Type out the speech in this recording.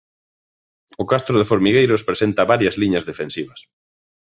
O castro de Formigueiros presenta varias liñas defensivas.